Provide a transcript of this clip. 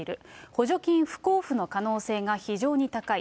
補助金不交付の可能性が非常に高い。